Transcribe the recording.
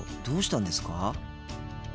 どうしたんですか？